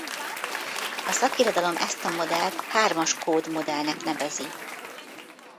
A szakirodalom ezt a modellt hármas kód modellnek nevezi.